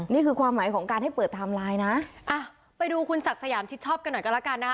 นี่คือความหมายของการให้เปิดไทม์ไลน์นะอ่ะไปดูคุณศักดิ์สยามชิดชอบกันหน่อยกันแล้วกันนะฮะ